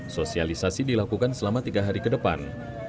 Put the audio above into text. sosialisasi dilakukan selama tiga hari ke depan